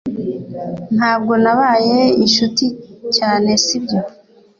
Ntabwo nabaye inshuti cyane sibyo